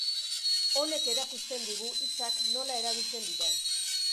Honek erakusten digu hitzak nola erabiltzen diren.